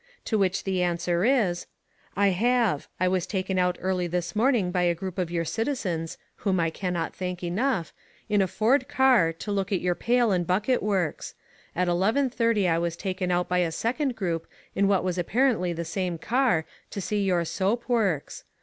To which the answer is: "I have. I was taken out early this morning by a group of your citizens (whom I cannot thank enough) in a Ford car to look at your pail and bucket works. At eleven thirty I was taken out by a second group in what was apparently the same car to see your soap works.